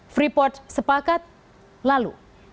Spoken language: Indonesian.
freeport sepakat lalu